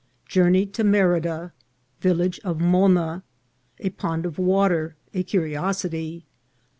Journey to Merida. — Village of Moona. — A Pond of Water, a Curiosity.